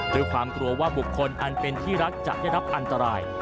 ด้วยความกลัวว่าบุคคลอันเป็นที่รักจะได้รับอันตราย